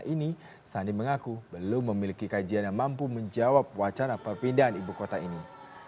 karena ini sandi mengaku belum memiliki kajian yang mampu menjawab wacana perpindahan ibu kota ini